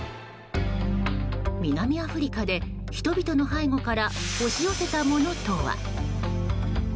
南アフリカで、人々の背後から押し寄せたものとは？